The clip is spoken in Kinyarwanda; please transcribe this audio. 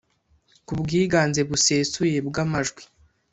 ku bwiganze busesuye bw amajwi